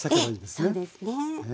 そうですね。